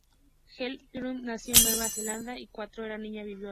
Helen Thayer nació en Nueva Zelanda, y cuando era niña vivió allí.